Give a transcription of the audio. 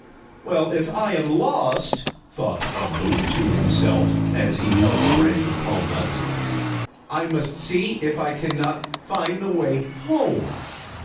"Well, if I am lost," thought Umboo to himself, as he held the branch of palm nuts, "I must see if I can not find the way home."